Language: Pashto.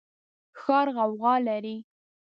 ښار غوغا لري